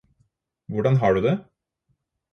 Hvordan har du det?